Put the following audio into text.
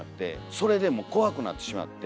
それでもう怖くなってしまって。